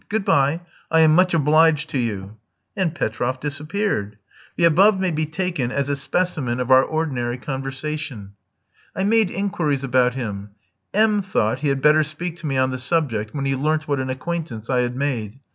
Good bye. I am much obliged to you." And Petroff disappeared. The above may be taken as a specimen of our ordinary conversation. I made inquiries about him. M thought he had better speak to me on the subject, when he learnt what an acquaintance I had made.